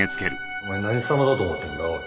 お前何様だと思ってんだおい。